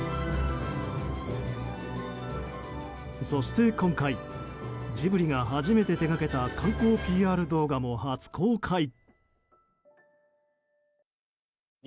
そして今回ジブリが初めて手掛けた観光ＰＲ動画も初公開。